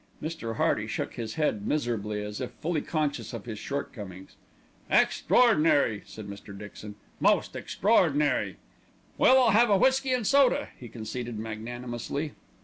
Mr. Hearty shook his head miserably, as if fully conscious of his shortcomings. "Extraordinary!" said Mr. Dixon, "most extraordinary!" "Well, I'll have a whisky and soda," he conceded magnanimously.